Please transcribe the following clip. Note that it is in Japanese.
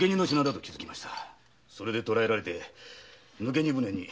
それで捕えられて抜け荷船に。